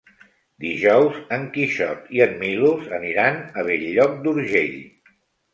Dijous en Quixot i en Milos aniran a Bell-lloc d'Urgell.